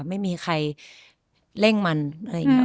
ไม่มีใครเร่งมันอะไรอย่างนี้